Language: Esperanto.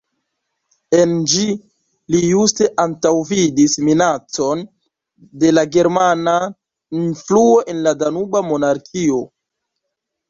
En ĝi li juste antaŭvidis minacon de la germana influo en la Danuba Monarkio.